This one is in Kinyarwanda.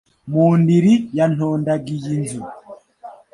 Mu ndiri ya Ntondagiy-inzu.